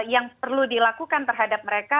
yang perlu dilakukan terhadap mereka